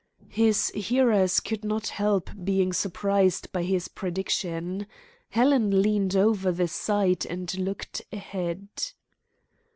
His hearers could not help being surprised by this prediction. Helen leaned over the side and looked ahead.